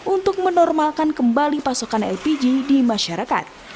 untuk menormalkan kembali pasokan lpg di masyarakat